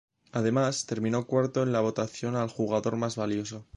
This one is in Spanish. Además, terminó cuarto en la votación al "Jugador Más Valioso".